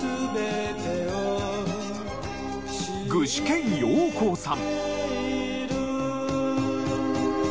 具志堅用高さん。